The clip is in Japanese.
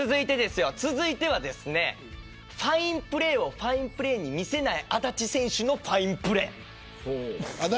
続いてはファインプレーをファインプレーに見せない安達選手のファインプレー。